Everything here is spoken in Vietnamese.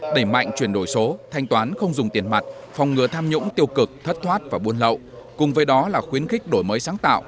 đẩy mạnh chuyển đổi số thanh toán không dùng tiền mặt phòng ngừa tham nhũng tiêu cực thất thoát và buôn lậu cùng với đó là khuyến khích đổi mới sáng tạo